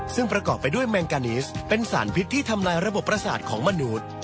ซึ่งประกอบไปด้วยแมงกานิสเป็นสารพิษที่ทำลายระบบประสาทของมนุษย์